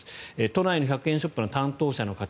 都内の１００円ショップの担当者の方